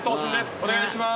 お願いします。